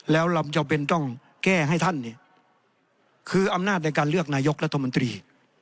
แล้วเราจำเป็นต้องแก้ให้ท่านเนี่ยคืออำนาจในการเลือกนายกรัฐมนตรี